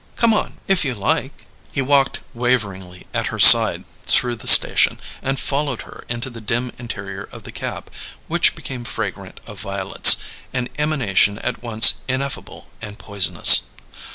Come on if you like?" He walked waveringly at her side through the station, and followed her into the dim interior of the cab, which became fragrant of violets an emanation at once ineffable and poisonous.